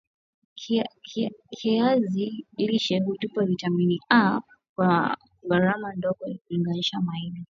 kiazi lishe hutupa vitamini A kwa gharama ndogo kulinganisha maini